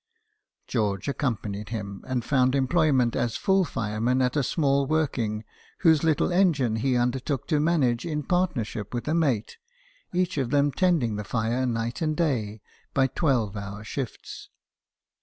George accom panied him, and found employment as full fire man at a small working, whose little engine he undertook to manage in partnership with a mate, each of them tending the fire night and day by twelve hour shifts.